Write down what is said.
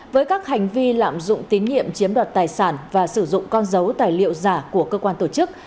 với các hành vi lạm dụng tín nhiệm chiếm đoạt tài sản và sử dụng con dấu tài liệu giả của cơ quan tổ chức